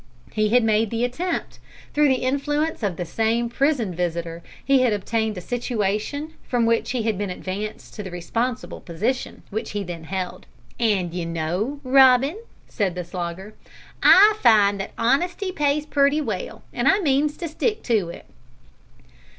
He had made the attempt. Through the influence of the same prison visitor he had obtained a situation, from which he had been advanced to the responsible position which he then held. "And, d'you know, Robin," said the Slogger, "I find that honesty pays pretty well, and I means to stick to it."